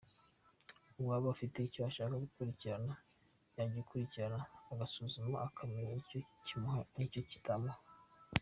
uwaba afite icyo ashaka gukurikirana yagikurikirana akagisuzuma akamenya icyo kimuha n’icyo kitamuha.